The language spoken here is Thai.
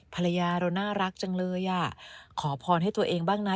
ภรรยาเราน่ารักจังเลยอ่ะขอพรให้ตัวเองบ้างนะ